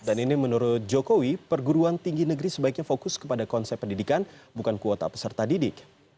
dan ini menurut jokowi perguruan tinggi negeri sebaiknya fokus kepada konsep pendidikan bukan kuota peserta didik